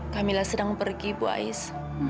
kamila sedang pergi bu ais